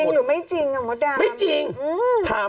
แต่โรงกิจหรือไม่จริงอะมดาม